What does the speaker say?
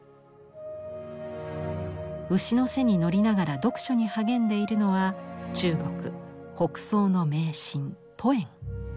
牛の背に乗りながら読書に励んでいるのは中国北宋の名臣杜衍。